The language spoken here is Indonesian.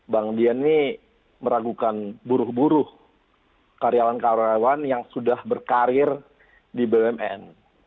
bang dian ini meragukan buruh buruh karyawan karyawan yang sudah berkarir di bumn